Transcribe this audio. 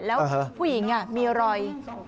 แล้วผู้หญิงมีรอย